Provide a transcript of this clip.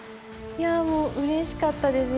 いやもううれしかったです